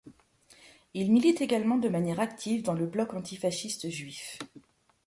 Il milite également de manière active dans le Bloc antifasciste juif.